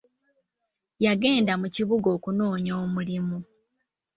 Yagenda mu kibuga okunoonya omulimu.